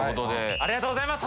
ありがとうございます！